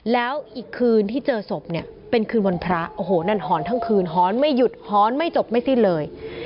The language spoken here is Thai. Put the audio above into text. แล้วอีกคืนที่เจอศพเนี่ยเป็นคืนวันพระโอ้โหนั่นหอนทั้งคืนหอนไม่หยุดหอนไม่จบไม่สิ้นเลย